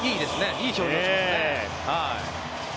いい表情をしていますね。